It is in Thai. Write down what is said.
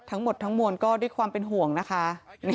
ทั้งหมดทั้งมวลก็ด้วยความเป็นห่วงนะคะ